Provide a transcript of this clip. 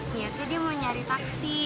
niatnya dia mau nyari taksi